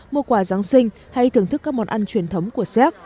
mua quà giáng sinh hay thưởng thức các món ăn truyền thống của séc